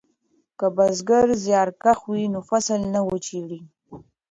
که بزګر زیارکښ وي نو فصل نه وچیږي.